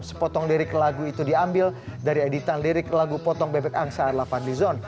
sepotong lirik lagu itu diambil dari editan lirik lagu potong bebek angsa ala fadlizon